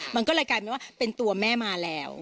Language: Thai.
มันก็เลยกลายเป็นว่าเป็นตัวแม่มาแล้ว